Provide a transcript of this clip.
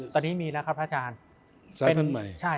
ตอนนี้มีแล้วครับพระอาจารย์